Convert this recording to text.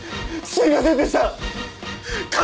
すいませんでした。